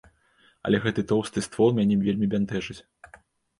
Але гэты тоўсты ствол мяне вельмі бянтэжыць.